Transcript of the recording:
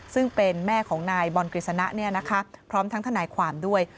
ซึ่งเป็นแม่ของนายบอลกฤษณะพร้อมทั้งทนายความด้วย